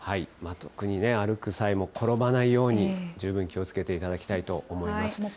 特に歩く際も転ばないように十分気をつけていただきたいと思います。